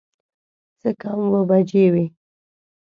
څه کم اووه بجې وې.